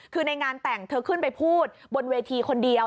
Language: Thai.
คือในงานแต่งเธอขึ้นไปพูดบนเวทีคนเดียว